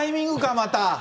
また。